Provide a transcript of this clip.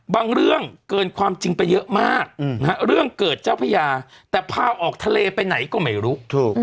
เรื่องเกินความจริงไปเยอะมากเรื่องเกิดเจ้าพญาแต่พาออกทะเลไปไหนก็ไม่รู้